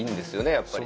やっぱりね。